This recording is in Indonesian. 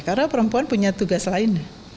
karena perempuan punya tugas lain